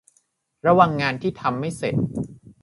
ระวังงานที่ทำไม่เสร็จ